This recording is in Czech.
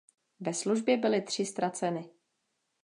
Ve službě byly tři ztraceny.